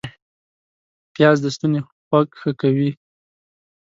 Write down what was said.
پیاز د ستوني خوږ ښه کوي